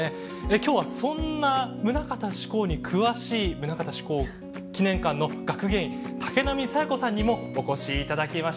今日はそんな棟方志功に詳しい棟方志功記念館の学芸員竹浪彩矢子さんにもお越しいただきました。